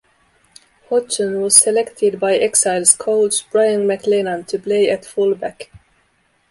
Hodgson was selected by Exiles coach Brian McLennan to play at fullback.